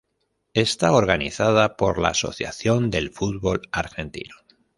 Está organizada por la Asociación del Fútbol Argentino.